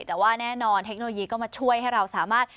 แต่ว่าแน่นอนเทคโนโลยีก็มาช่วยให้เราสามารถ